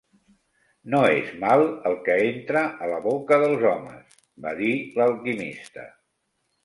"No és mal el que entra a la boca dels homes", va dir l'alquimista.